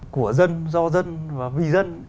của dân do dân và vì dân